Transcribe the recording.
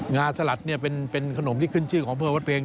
งาสลัดเป็นขนมที่ขึ้นชื่อของอำเภอวัดเพลง